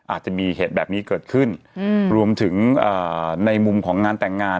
อาจจะมีเหตุแบบนี้เกิดขึ้นรวมถึงในมุมของงานแต่งงาน